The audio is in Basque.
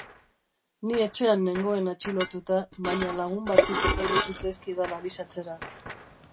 Ni etxean nengoen atxilotuta, baina lagun batzuk etorri zitzaizkidan abisatzera.